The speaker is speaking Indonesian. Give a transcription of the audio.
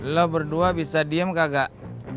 lu berdua bisa diem kagak